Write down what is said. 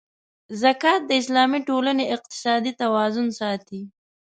زکات د اسلامي ټولنې اقتصادي توازن ساتي.